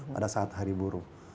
pada saat hari buruk